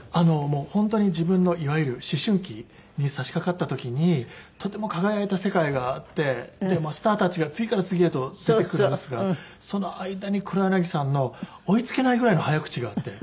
本当に自分のいわゆる思春期にさしかかった時にとても輝いた世界があってスターたちが次から次へと出てくるんですがその間に黒柳さんの追いつけないぐらいの早口があって。